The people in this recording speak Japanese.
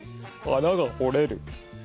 穴がほれる。